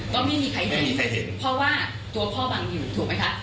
ก็ไม่มีใครเห็นเพราะว่าตัวพ่อบางอยู่ถูกไหมคะ